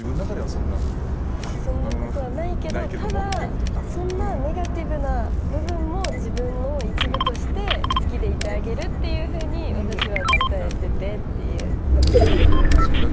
そんなことはないけどただ、そんなネガティブな部分も自分の一部として好きでいてあげるっていうふうに私は伝えててっていう感じなので。